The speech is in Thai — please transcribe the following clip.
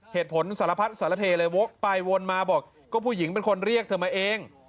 สารพัดสารเทเลยวกไปวนมาบอกก็ผู้หญิงเป็นคนเรียกเธอมาเอง